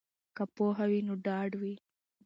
که پوهه وي نو ډاډ وي.